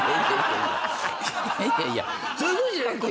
いやいやそういうことじゃなくて。